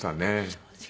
そうですか。